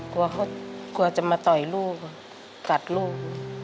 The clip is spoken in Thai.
กลัวจะมาต่อยลูกกัดลูก